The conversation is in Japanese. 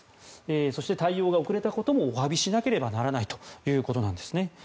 そして、対応が遅れたこともおわびしなければならないということなんですね。